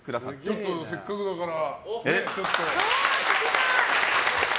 ちょっと、せっかくだから。